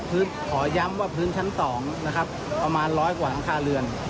ขอย้ำว่าพื้นชั้น๒ประมาณ๑๐๐กว่ารังคาเรือน